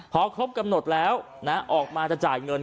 พอครบกำหนดแล้วออกมาจะจ่ายเงิน